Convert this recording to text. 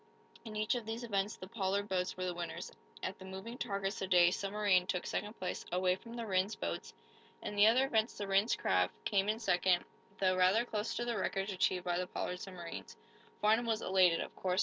In each of these events the Pollard boats were the winners. At the moving targets the Day Submarine took second place away from the Rhinds boats; in the other events the Rhinds craft came in second, though rather close to the records achieved by the Pollard submarines. Farnum was elated, of course.